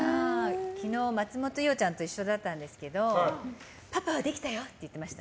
昨日、松本伊代ちゃんと一緒だったんですけどパパはできたよ！って言ってました。